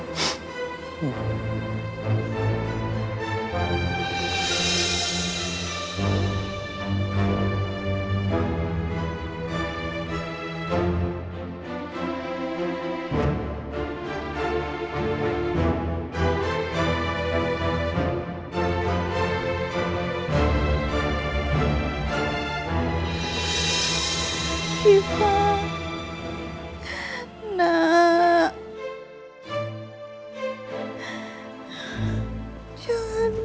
aku yakin bella masih hidup